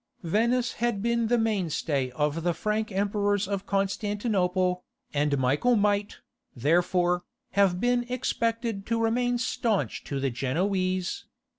Venice had been the mainstay of the Frank emperors of Constantinople, and Michael might, therefore, have been expected to remain staunch to the Genoese.